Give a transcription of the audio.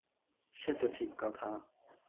সে তো ঠিক কথা ।